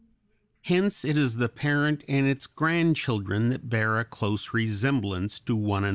Hence it is the parent and its grandchildren that bear a close resemblance to one another.